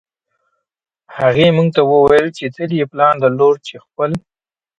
هغې موږ ته وویل تل یې پلان درلود چې له خپل